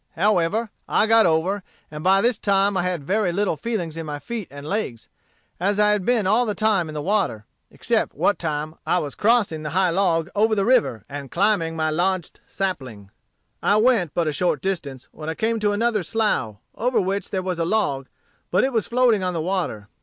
However, I got over, and by this time I had very little feeling in my feet and legs, as I had been all the time in the water, except what time I was crossing the high log over the river and climbing my lodged sapling. "I went but a short distance when I came to another slough, over which there was a log, but it was floating on the water.